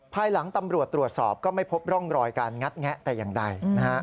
ภายหลังตำรวจตรวจสอบก็ไม่พบร่องรอยการงัดแงะแต่อย่างใด